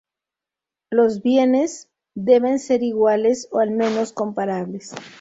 Los bienes deben ser iguales o al menos comparables.